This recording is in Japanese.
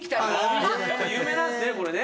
やっぱ有名なんですねこれね。